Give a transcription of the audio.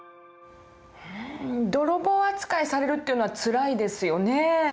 泥棒扱いされるっていうのはつらいですよね。